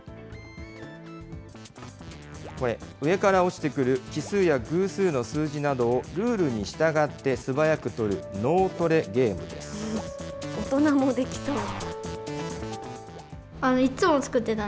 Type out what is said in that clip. これ、上から落ちてくる奇数や偶数の数字などをルールに従って、素早く取る、大人もできそう。